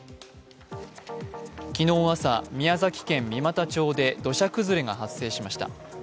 昨日朝、宮崎県三股町で土砂崩れが発生しました。